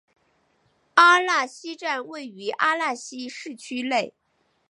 阿讷西站位于阿讷西市区内。